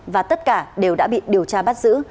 và tất cả đều đã bị điều tra bắt giữ